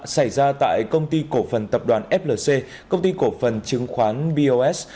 xảy ra tại công ty cổ phần tập đoàn flc công ty cổ phần chứng khoán bos